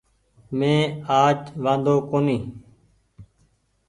مينٚ آج وآۮو ڪونيٚ